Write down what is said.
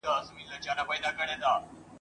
چي اشرف د مخلوقاتو د سبحان دی ..